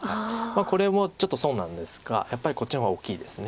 これもちょっと損なんですがやっぱりこっちの方が大きいです。